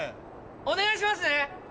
お願いしますね！